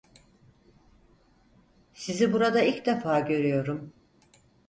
Sizi burada ilk defa görüyorum!